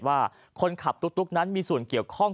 ว่าคนขับตุ๊กนั้นมีส่วนเกี่ยวข้อง